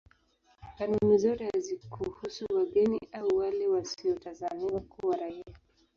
Kanuni zote hazikuhusu wageni au wale wasiotazamiwa kuwa raia.